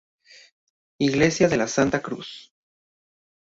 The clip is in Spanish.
Iglesia de la Santa Cruz